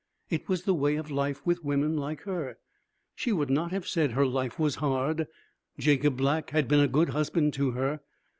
It was the way of life with women like her. She would not have said her life was hard. Jacob Black had been a good husband to her.